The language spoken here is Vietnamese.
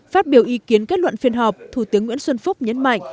phát biểu ý kiến kết luận phiên họp thủ tướng nguyễn xuân phúc nhấn mạnh